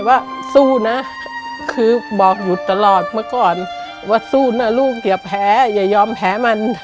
ลูกบอกอยู่ตลอดเมื่อก่อนว่าสู้นะลูกอย่าแผลอย่ายอมแผลมัน